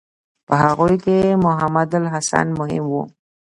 په هغوی کې محمودالحسن مهم و.